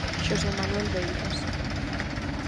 Xosé Manuel Beiras.